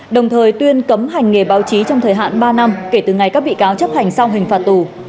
đồng thời tuyên cấm hành nghề báo chí trong thời hạn ba năm kể từ ngày các bị cáo chấp hành xong hình phạt tù